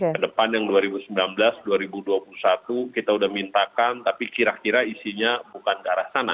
kedepan yang dua ribu sembilan belas dua ribu dua puluh satu kita sudah mintakan tapi kira kira isinya bukan ke arah sana